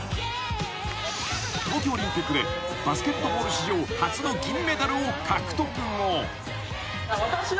［東京オリンピックでバスケットボール史上初の銀メダルを獲得後］